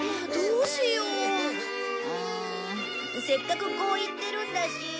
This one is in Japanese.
せっかくこう言ってるんだし。